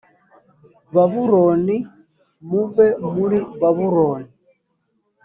babuloni: muve muri babuloni